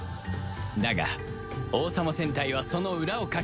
だが王様戦隊はその裏をかき反撃